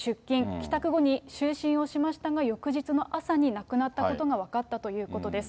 帰宅後に就寝をしましたが、翌日の朝に亡くなったことが分かったということです。